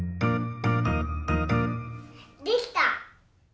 できた！